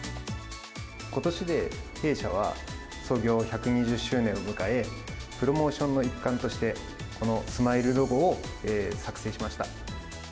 ことしで弊社は創業１２０周年を迎え、プロモーションの一環として、このスマイルロゴを作成しました。